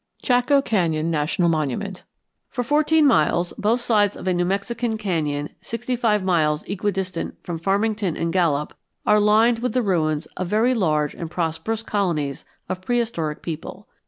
CHACO CANYON NATIONAL MONUMENT For fourteen miles, both sides of a New Mexican canyon sixty five miles equidistant from Farmington and Gallup are lined with the ruins of very large and prosperous colonies of prehistoric people.